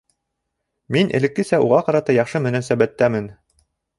Мин элеккесә уға ҡарата яҡшы мөнәсәбәттәмен